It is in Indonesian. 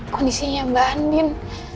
kondisinya bu andien